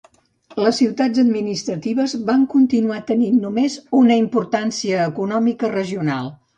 Les ciutats administratives van continuar tenint només una importància econòmica regional.